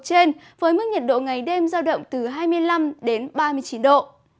trên với mức nhiệt độ ngày đêm giao động từ hai mươi năm đến ba mươi chín độ